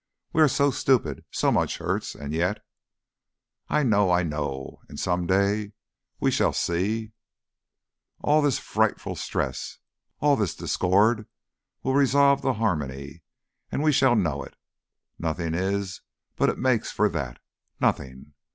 We are so stupid. So much hurts. And yet ... "I know, I know and some day we shall see. "All this frightful stress, all this discord will resolve to harmony, and we shall know it. Nothing is but it makes for that. Nothing.